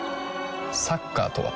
サッカーとは？